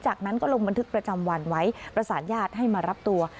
จากนั้นก็ลงบันทึกประจำวันไว้ประสานญาติให้มารับตัว